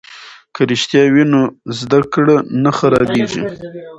که رښتیا وي نو زده کړه نه خرابیږي.